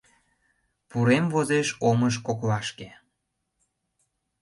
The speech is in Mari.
Пурем возеш омыж коклашке.